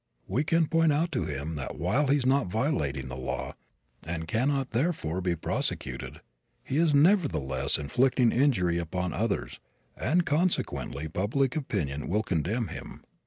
We can point out to him that while he is not violating the law, and cannot therefore be prosecuted, he is nevertheless inflicting injury upon others and consequently public opinion will condemn him.